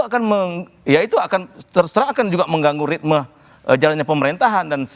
akan mengganti ya itu akan terserah akan juga mengganggu ritme jalannya pemerintahan dan sebagainya